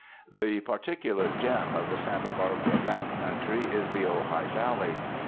The particular gem of the Santa Barbara back country is the Ojai Valley.